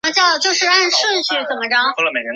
氨基甲酸乙酯是高分子材料聚氨酯的原料之一。